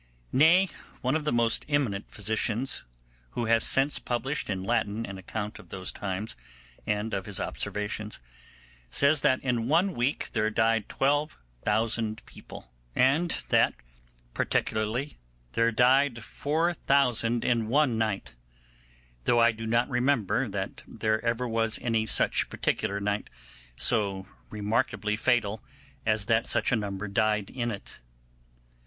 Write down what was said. Nay, one of the most eminent physicians, who has since published in Latin an account of those times, and of his observations says that in one week there died twelve thousand people, and that particularly there died four thousand in one night; though I do not remember that there ever was any such particular night so remarkably fatal as that such a number died in it.